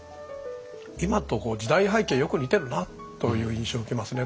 今と時代背景よく似てるなという印象を受けますね。